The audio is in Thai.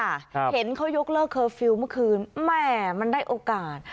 เห็นเขายกเลิกเคอร์ฟิลล์เมื่อคืนแม่มันได้โอกาส